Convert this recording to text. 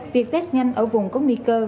việc test nhanh ở vùng có nguy cơ